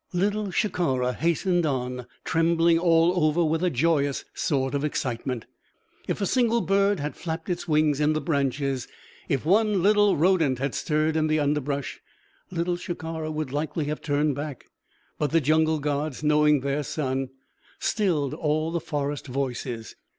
Little Shikara hastened on, trembling all over with a joyous sort of excitement. If a single bird had flapped its wings in the branches, if one little rodent had stirred in the underbrush, Little Shikara would likely have turned back. But the jungle gods, knowing their son, stilled all the forest voices.